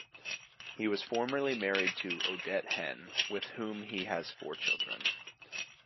He was formerly married to Odette Heyn, with whom he has four children.